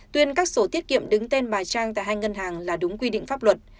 tuyên các sổ tiết kiệm đứng tên bà trang tại hai ngân hàng là đúng quy định pháp luật